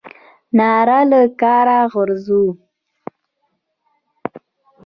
ناره له کاره غورځوو.